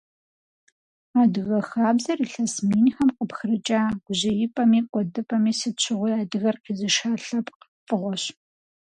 Адыгэ хабзэр илъэс минхэм къыпхрыкӏа, гужьеипӏэми, кӏуэдыпӏэми сыт щыгъуи адыгэр къизыша лъэпкъ фӏыгъуэщ.